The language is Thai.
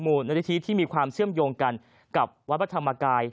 มูลนิธิที่มีความเชื่อมโยงกันกับวัดพระธรรมกาย